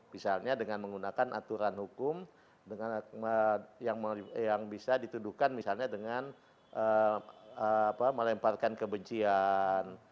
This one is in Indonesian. misalnya dengan menggunakan aturan hukum yang bisa dituduhkan misalnya dengan melemparkan kebencian